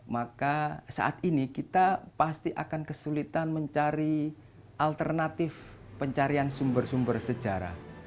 maka saat ini kita pasti akan kesulitan mencari alternatif pencarian sumber sumber sejarah